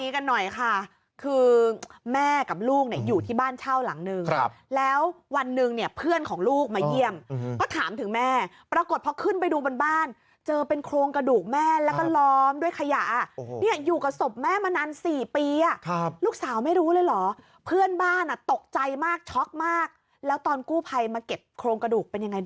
กันหน่อยค่ะคือแม่กับลูกเนี่ยอยู่ที่บ้านเช่าหลังนึงแล้ววันหนึ่งเนี่ยเพื่อนของลูกมาเยี่ยมก็ถามถึงแม่ปรากฏพอขึ้นไปดูบนบ้านเจอเป็นโครงกระดูกแม่แล้วก็ล้อมด้วยขยะเนี่ยอยู่กับศพแม่มานาน๔ปีลูกสาวไม่รู้เลยเหรอเพื่อนบ้านอ่ะตกใจมากช็อกมากแล้วตอนกู้ภัยมาเก็บโครงกระดูกเป็นยังไงด